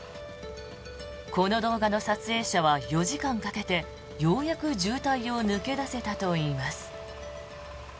この動画の撮影者は４時間かけてようやく渋滞を抜け出せたといいます。